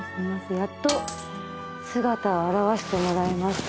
やっと姿を現してもらえました。